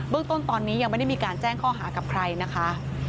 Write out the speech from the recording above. เรื่องต้นตอนนี้ยังไม่ได้มีการแจ้งข้อหากับใครนะคะ